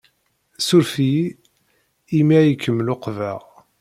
Ssuref-iyi imi ay kem-luqbeɣ.